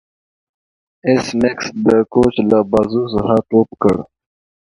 ایس میکس د کوچ له بازو څخه ټوپ کړ